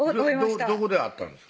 どこで会ったんですか？